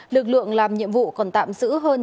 lực lượng làm nhiệm vụ còn tạm giữ hơn